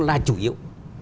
là chủ yếu